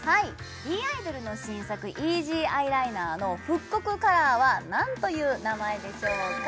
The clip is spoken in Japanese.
ｂｉｄｏｌの新作イージーｅｙｅライナーの復刻カラーは何という名前でしょうか？